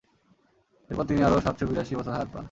এরপর তিনি আরো সাতশ বিরাশি বছর হায়াত পান।